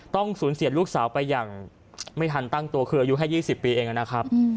ต้องสูญเสียลูกสาวไปอย่างไม่ทันตั้งตัวคืออายุแค่๒๐ปีเองนะครับ